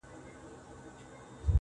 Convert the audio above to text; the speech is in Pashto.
د زنده باد د مردباد په هديره كي پراته~